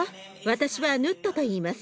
私はヌットといいます。